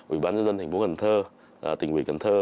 ủy ban nhân dân thành phố cần thơ tỉnh ủy cần thơ